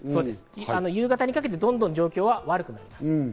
夕方にかけて状況は悪くなります。